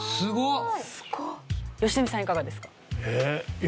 すごい。